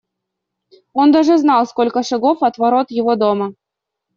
Он даже знал, сколько шагов от ворот его дома.